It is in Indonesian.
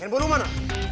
yang baru mana